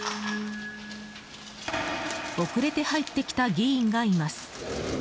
遅れて入ってきた議員がいます。